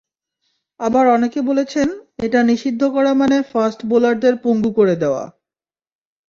আবার অনেকে বলেছেন, এটা নিষিদ্ধ করা মানে ফাস্ট বোলারদের পঙ্গু করে দেওয়া।